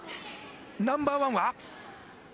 ナンバーワンは？